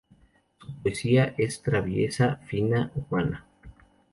Su poesía es traviesa, fina, humana.